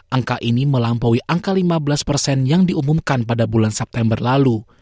angka ini melampaui angka lima belas persen yang diumumkan pada bulan september lalu